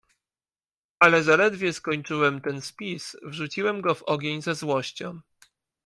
"Ale zaledwie skończyłem ten spis, wrzuciłem go w ogień ze złością."